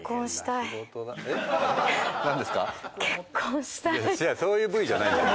いや違うそういうＶじゃないのよ。